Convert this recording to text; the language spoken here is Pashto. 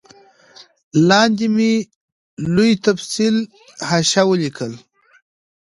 لاندي مي لوی تفصیلي حاشیه ولیکل